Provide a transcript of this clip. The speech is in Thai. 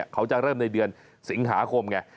เขาจะเริ่มในเดือนสิงหาคมไง